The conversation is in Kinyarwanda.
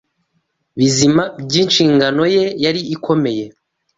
bizima by’inshingano ye yari ikomeye.